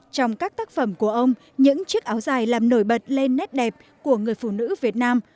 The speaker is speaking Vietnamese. trong các tác phẩm của ông những chiếc áo dài làm nổi bật lên nét đẹp của người phụ nữ việt nam